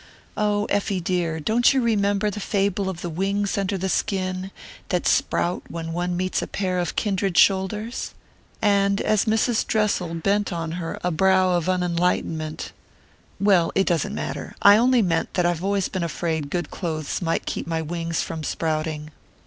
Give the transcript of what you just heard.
"Oh, Effie dear, don't you remember the fable of the wings under the skin, that sprout when one meets a pair of kindred shoulders?" And, as Mrs. Dressel bent on her a brow of unenlightenment "Well, it doesn't matter: I only meant that I've always been afraid good clothes might keep my wings from sprouting!"